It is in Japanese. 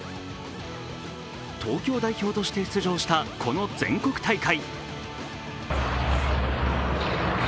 東京代表として出場したこの全国大会。